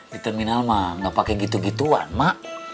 di terminal mah nggak pakai gitu gituan mak